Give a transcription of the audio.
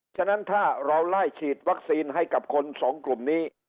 ฉะนั้นถ้าเราไล่ฉีดวัคซีนให้กับคนสองกลุ่มนี้